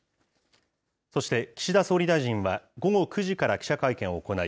そして、岸田総理大臣は午後９時から記者会見を行い、